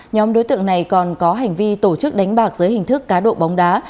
nhóm đối tượng này còn có hành vi tổ chức đánh bạc dưới hình thức cá độ bóng đá